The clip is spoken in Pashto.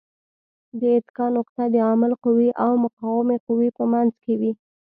د اتکا نقطه د عامل قوې او مقاومې قوې په منځ کې وي.